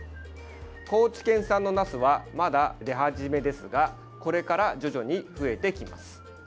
高知県産のなすはまだ出始めですがこれから徐々に増えてきます。